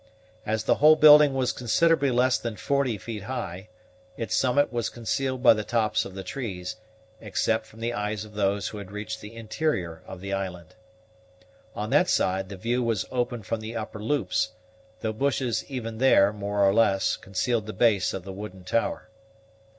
As the whole building was considerably less than forty feet high, its summit was concealed by the tops of the trees, except from the eyes of those who had reached the interior of the island. On that side the view was open from the upper loops, though bushes even there, more or less, concealed the base of the wooden tower.